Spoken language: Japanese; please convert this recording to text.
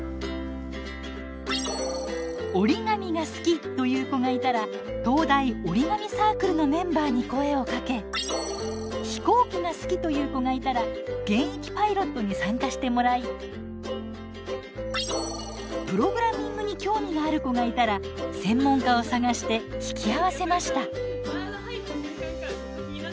折り紙が好きという子がいたら東大折り紙サークルのメンバーに声をかけ飛行機が好きという子がいたら現役パイロットに参加してもらいプログラミングに興味がある子がいたら専門家を探して引き合わせました。